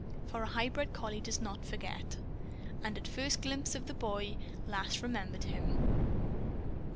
For a highbred collie does not forget. And at first glimpse of the boy Lass remembered him.